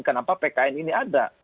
kenapa pkn ini ada